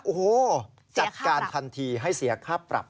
โอ้โหจัดการทันทีให้เสียค่าปรับ